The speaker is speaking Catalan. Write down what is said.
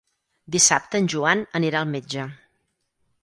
Dissabte en Joan anirà al metge.